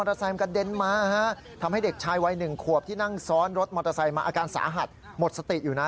ร้อนรถมอเตอร์ไซค์มาอาการสาหัสหมดสติอยู่นะ